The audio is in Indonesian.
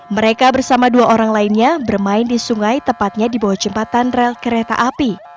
mereka bersama dua orang lainnya bermain di sungai tepatnya di bawah jembatan rel kereta api